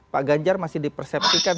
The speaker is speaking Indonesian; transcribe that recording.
pak ganjar masih diperseptikan